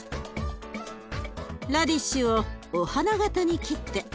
ラディッシュをお花形に切って。